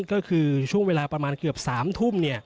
ก็คือช่วงเวลาประมาณเกือบ๓ทุ่ม